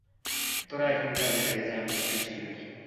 তোরা এখন কাজে লেগে যা, আমি একটু জিরুই।